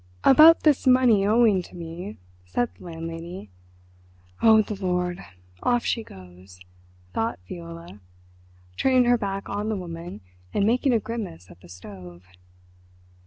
"About this money owing to me—" said the landlady. "Oh, the Lord—off she goes!" thought Viola, turning her back on the woman and making a grimace at the stove.